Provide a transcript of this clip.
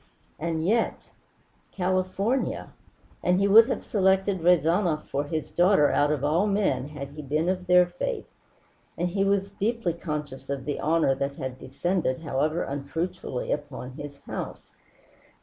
And yet California! And he would have selected Rezanov for his daughter out of all men had he been of their faith. And he was deeply conscious of the honor that had descended, however unfruitfully, upon his house.